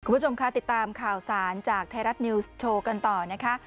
คุณผู้ชมคะติดตามข่าวสารจากไทยรัฐนิวส์โชว์กันต่อนะคะ